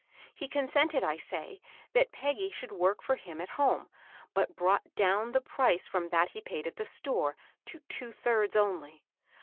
—^ he consented, I say, that Peggy should work for him at home, but brought down the price from th^ he paid at the stcnre to two thirds only.